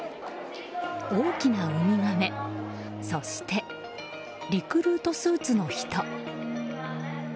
大きなウミガメそしてリクルートスーツの人。